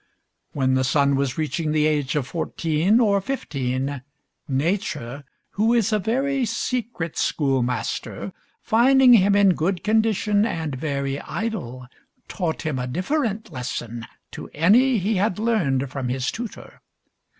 When the son was reaching the age of fourteen or fifteen, Nature, who is a very secret schoolmaster, finding him in good condition and very idle, taught him a different lesson to any he had learned from his tutor.